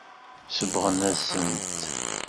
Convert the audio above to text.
Sebɣen-asen-t.